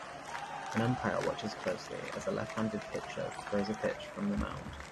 An umpire watches closely as a lefthanded pitcher throws a pitch from the mound.